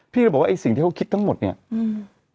พี่ก็บอกว่าไอ้สิ่งที่เขาคิดทั้งหมดเนี่ยอืม